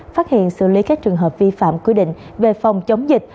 phát hiện xử lý các trường hợp vi phạm quy định về phòng chống dịch